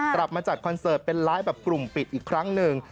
กลับมาจัดคอนเสิร์ตเป็นไลฟ์แบบกลุ่มปิดอีกครั้งหนึ่ง